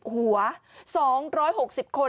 ๒๖๐หัว๒๖๐คน